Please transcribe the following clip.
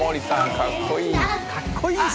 かっこいいし。